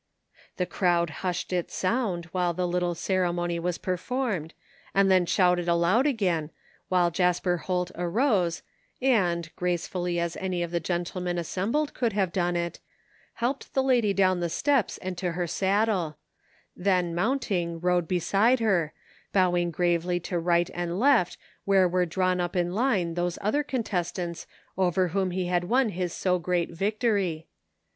The crowd hushed its sound while the little cere mony was performed and then shouted aloud again, while Jasper Holt arose and, gracefully as any of the gentlemen assembled could have done it, helped the lady down the steps and to her saddle ; then mounting rode beside her, bowing gravely to right and left where were drawn up in line those other contestants over 233 THE FINDING OF JASPER HOLT whom he had won his sogrcat victory.